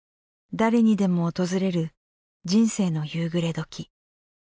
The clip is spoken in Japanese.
誰にでも訪れる人生の夕暮れ時。